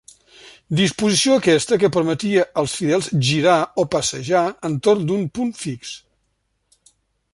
Disposició aquesta que permetia als fidels girar, o passejar, entorn d'un punt fix.